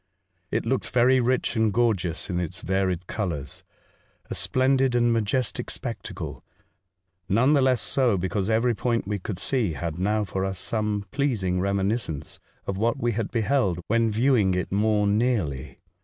It looked very rich and gorgeous in its varied colours — a splendid and majestic spectacle ; none the less so, because every point we could see had now for us some pleasing reminiscence of what we had beheld when viewing it more nearly.